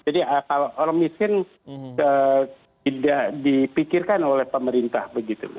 jadi kalau miskin tidak dipikirkan oleh pemerintah begitu